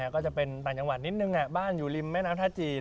ก็จะเป็นต่างจังหวัดนิดนึงบ้านอยู่ริมแม่น้ำท่าจีน